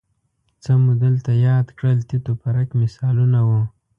څه مو دلته یاد کړل تیت و پرک مثالونه وو